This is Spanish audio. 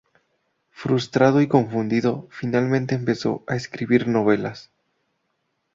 Frustrado y confundido, finalmente empezó a escribir novelas.